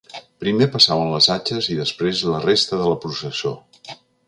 Primer passaven les atxes i després la resta de la processó.